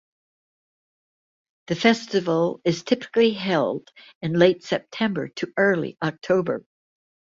The festival is typically held in late September to early October.